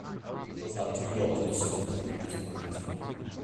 Nichols had two daughters and a son from previous marriages.